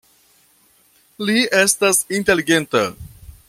Li estas inteligenta.